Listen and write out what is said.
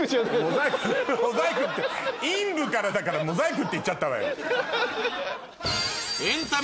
モザイクって陰部からだからモザイクって言っちゃったわよ。